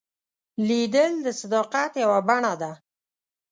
لیدل د صداقت یوه بڼه ده